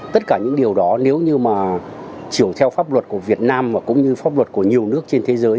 tất cả những điều đó nếu như mà chiều theo pháp luật của việt nam và cũng như pháp luật của nhiều nước trên thế giới